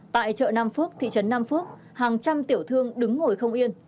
tại chợ nam phước thị trấn nam phước hàng trăm tiểu thương đứng ngồi không yên